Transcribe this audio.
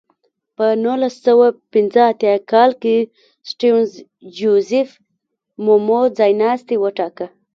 په نولس سوه پنځه اتیا کال کې سټیونز جوزیف مومو ځایناستی وټاکه.